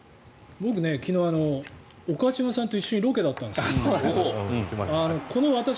僕昨日、岡島さんと一緒にロケだったんですよ。